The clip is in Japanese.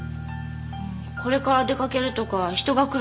これから出かけるとか人が来るとか？